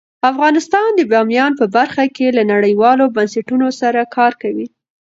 افغانستان د بامیان په برخه کې له نړیوالو بنسټونو سره کار کوي.